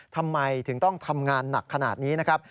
ทำไมถึงต้องทำงานหนักขนาดนี้นะครับ